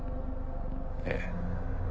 ええ。